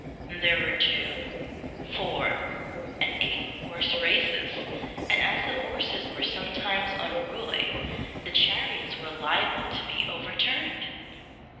There were two , four , and eight horse races; and, as the horses were sometimes unruly, the chariots were liable to be overturned.